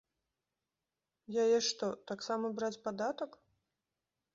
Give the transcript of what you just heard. Яе што, таксама браць падатак?